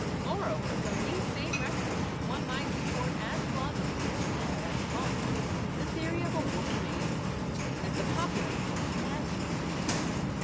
Moreover, from these same records one might support as plausibly and as falsely the theory of a Woman made World as the popular one of a Man made World.